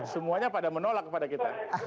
semuanya pada menolak pada kita